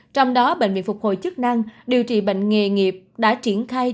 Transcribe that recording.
trong đó bệnh viện phục hồi chức năng điều trị bệnh nghề nghiệp đã triển khai